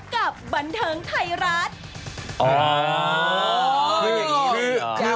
อ๋อคือคือ